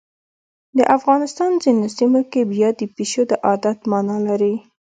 د افغانستان ځینو سیمو کې بیا د پیشو د عادت مانا لري.